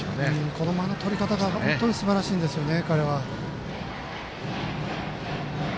この間の取り方が本当にすばらしいんですよね。